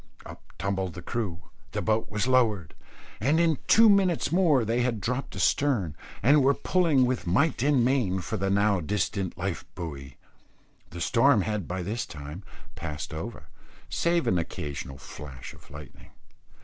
Up tumbled the crew, the boat was lowered, and in two minutes more they had dropped astern, and were pulling with might and main for the now distant life buoy. The storm had by this time passed over, save an occasional flash of lightning.